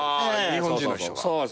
日本人の人が。